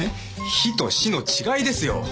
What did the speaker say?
「ヒ」と「シ」の違いですよ。